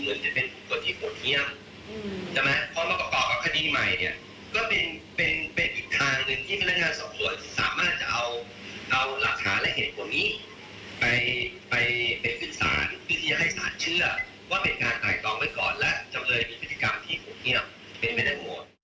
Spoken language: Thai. เหลือว่านี้เคยทำความผิดในลักษณะคือไหมแล้วมีพฤติกรรมในลักษณะคืออี